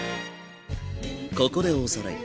ここでおさらい。